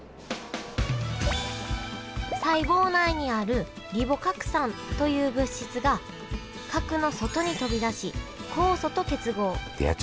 細胞内にあるリボ核酸という物質が核の外に飛び出し酵素と結合。